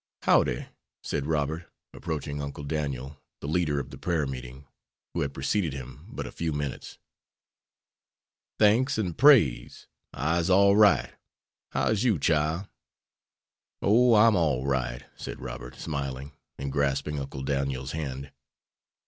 "Howdy," said Robert, approaching Uncle Daniel, the leader of the prayer meeting, who had preceded him but a few minutes. "Thanks and praise; I'se all right. How is you, chile?" "Oh, I'm all right," said Robert, smiling, and grasping Uncle Daniel's hand.